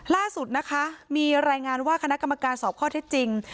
ล่าสุดนะคะมีรายงานว่าคณะกรรมการสอบข้อเท็จจริง